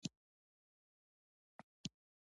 دا د انساني کرامت ښکاره لازمه ده.